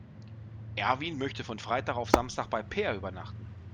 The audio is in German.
Erwin möchte von Freitag auf Samstag bei Peer übernachten.